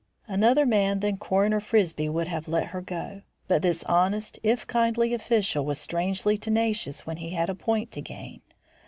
Another man than Coroner Frisbie would have let her go, but this honest, if kindly, official was strangely tenacious when he had a point to gain.